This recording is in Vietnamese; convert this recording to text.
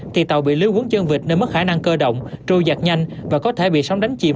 thì tàu bị lưới uống chân vệt nên mất khả năng cơ động trôi giặt nhanh và có thể bị sóng đánh chìm